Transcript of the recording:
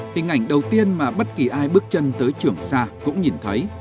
hình ảnh đầu tiên mà bất kỳ ai bước chân tới trường xa cũng nhìn thấy